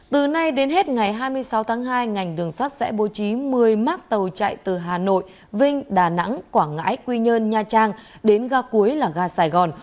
từ nay đến hết ngày hai mươi sáu tháng hai ngành đường sắt sẽ bố trí một mươi mác tàu chạy từ hà nội vinh đà nẵng quảng ngãi quy nhơn nha trang đến ga cuối là ga sài gòn